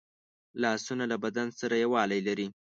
لاسونه له بدن سره یووالی لري